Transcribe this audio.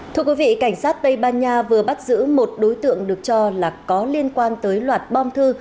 thưa quý vị cảnh sát tây ban nha vừa bắt giữ một đối tượng được cho là có liên quan tới loạt bom thư